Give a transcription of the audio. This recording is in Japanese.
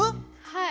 はい。